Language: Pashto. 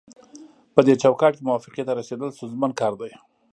پدې چوکاټ کې موافقې ته رسیدل ستونزمن کار دی